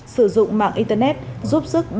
sử dụng mạng internet giúp sức